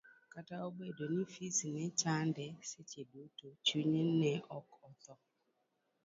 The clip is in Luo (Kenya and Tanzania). Kata obedo ni fis ne chande seche duto, chunye ne ok otho.